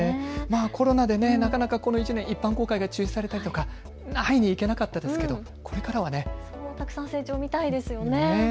コロナでなかなかこの１年、一般公開が中止されたとか会いに行けなかったですけどこれからはたくさん成長、見たいですよね。